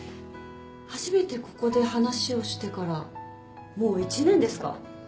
初めてここで話をしてからもう一年ですか。